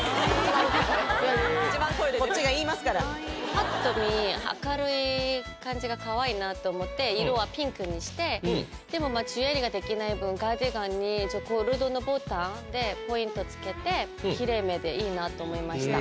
一番声出てるこっちが言いますからパッと見明るい感じがかわいいなと思って色はピンクにしてでもジュエリーができない分カーディガンにゴールドのボタンでポイントつけてきれいめでいいなと思いました